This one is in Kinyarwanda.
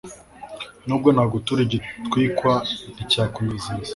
n’aho nagutura igitwikwa nticyakunezeza